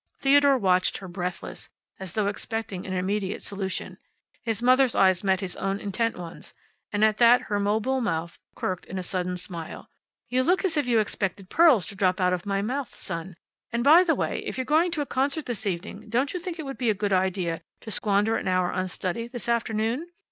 Theodore watched her, breathless, as though expecting an immediate solution. His mother's eyes met his own intent ones, and at that her mobile mouth quirked in a sudden smile. "You look as if you expected pearls to pop out of my mouth, son. And, by the way, if you're going to a concert this evening don't you think it would be a good idea to squander an hour on study this afternoon?